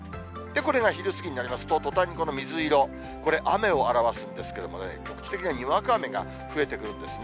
これが昼過ぎになりますと、とたんにこの水色、これ、雨を表すんですけれどもね、局地的なにわか雨が増えてくるんですね。